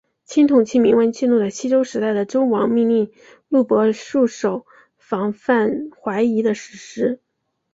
青铜器铭文记录了西周时代的周王命令录伯戍守防范淮夷的史实。